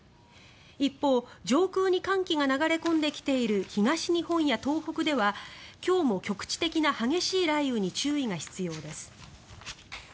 一方上空に寒気が流れ込んできている東日本や東北では今日も局地的な激しい雷雨に注意が必要です。